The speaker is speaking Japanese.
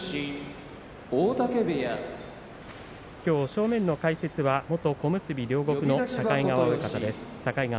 正面の解説は元小結両国の境川親方です。